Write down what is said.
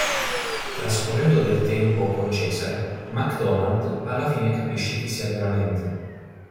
Trascorrendo del tempo con Cesare, MacDonald alla fine capisce chi sia veramente.